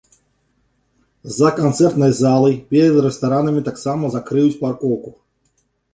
За канцэртнай залай, перад рэстаранамі таксама закрыюць паркоўку.